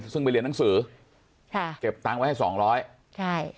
ซึ่งไปเรียนหนังสือค่ะเก็บตังค์ไว้ให้สองร้อยใช่